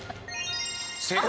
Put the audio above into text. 正解。